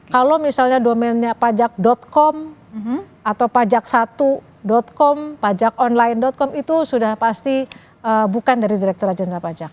kalau misalnya domennya pajak com atau pajak satu com pajak online com itu sudah pasti bukan dari direkturat jenderal pajak